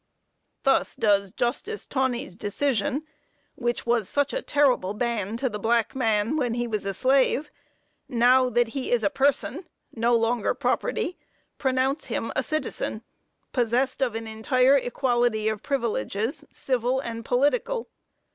Thus does Judge Taney's decision, which was such a terrible ban to the black man, while he was a slave, now, that he is a person, no longer property, pronounce him a citizen, possessed of an entire equality of privileges, civil and political.